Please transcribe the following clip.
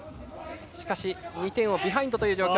しかし２点ビハインドという状況。